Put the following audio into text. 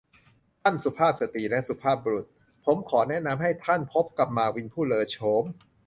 ท่านสุภาพสตรีและสุภาพบุรุษ ผมขอแนะนำให้ท่านพบกับมาร์วินผู้เลอโฉม